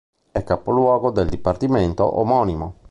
È capoluogo del dipartimento omonimo.